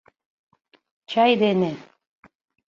Чай дене.